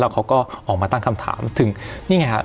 แล้วเขาก็ออกมาตั้งคำถามถึงนี่ไงครับ